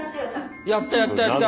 やったやったやった！